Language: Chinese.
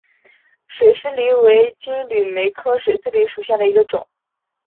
水丝梨为金缕梅科水丝梨属下的一个种。